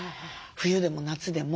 冬でも夏でも。